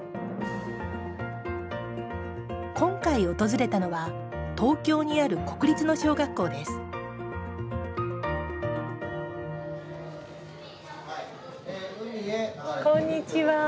今回訪れたのは東京にある国立の小学校ですこんにちは。